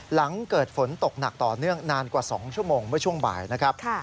หลังเกิดฝนตกหนักต่อเนื่องนานกว่า๒ชั่วโมงเมื่อช่วงบ่ายนะครับ